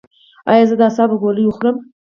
ایا زه د اعصابو ګولۍ وخورم؟